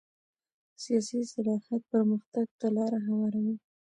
سیاسي اصلاحات پرمختګ ته لاره هواروي